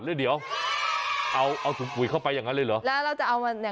แล้วเดี๋ยวเอาเอาถุงปุ๋ยเข้าไปอย่างนั้นเลยเหรอแล้วเราจะเอามาเนี่ย